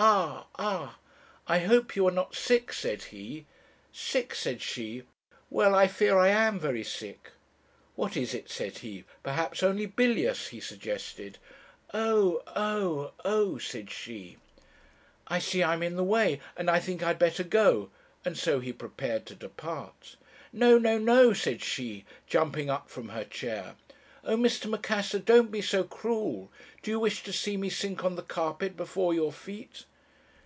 'Ah! ah!' "'I hope you are not sick?' said he. "'Sick!' said she. 'Well, I fear I am very sick.' "'What is it?' said he. 'Perhaps only bilious,' he suggested. "'Oh! oh! oh!' said she. "'I see I'm in the way; and I think I had better go,' and so he prepared to depart. 'No! no! no!' said she, jumping up from her chair. 'Oh! Mr. Macassar, don't be so cruel. Do you wish to see me sink on the carpet before your feet?'